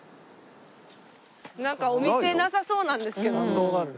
なんかお店なさそうなんですけど全然。